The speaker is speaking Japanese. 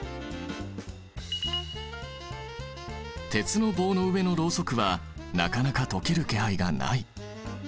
鉄の棒の上のロウソクはなかなか溶ける気配がない。